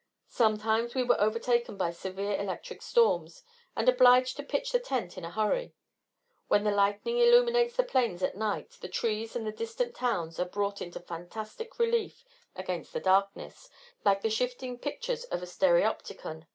Sometimes, we were overtaken by severe electric storms, and obliged to pitch the tent in a hurry. When the lightning illuminates the plains at night, the trees and the distant towns are brought into fantastic relief against the darkness, like the shifting pictures of a stereopticon.